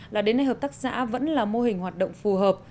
là đến nay hợp tác xã vẫn là mô hình hoạt động phù hợp